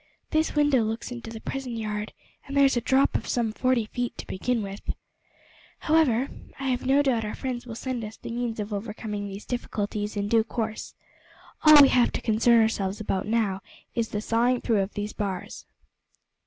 This window looks into the prison yard, and there is a drop of some forty feet to begin with. However, I have no doubt our friends will send us the means of overcoming these difficulties in due course. All we have to concern ourselves about now is the sawing through of these bars."